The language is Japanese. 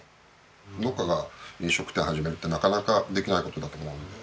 農家が飲食店始めるってなかなかできない事だと思うんで。